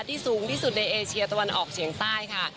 สูงที่สุดในเอเชียตะวันออกเฉียงใต้ค่ะ